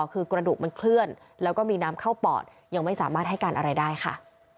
คือกระดูกมันเคลื่อนแล้วก็มีน้ำเข้าปอดยังไม่สามารถให้การอะไรได้ค่ะ